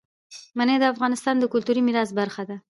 منی د افغانستان د کلتوري میراث برخه ده.